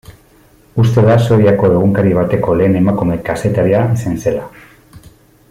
Uste da Suediako egunkari bateko lehen emakume kazetaria izan zela.